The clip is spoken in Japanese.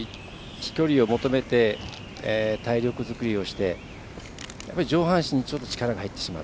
飛距離を求めて体力作りをして上半身に力が入ってしまう。